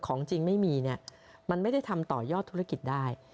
ของจริงไม่มีเนี่ยมันไม่ได้ทำต่อยอดธุรกิจได้